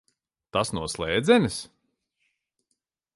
Tas no slēdzenes?